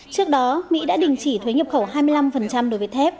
trước đó mỹ đã đình chỉ thuế nhập khẩu hai mươi năm đối với thép